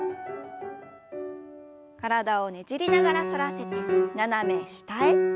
体をねじりながら反らせて斜め下へ。